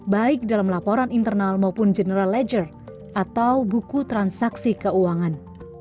baik dalam laporan internal maupun general ledger atau buku transaksi keuangan